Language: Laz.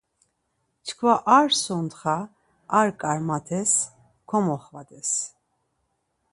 Çkva ar sontxa ar karmat̆es komoxvades.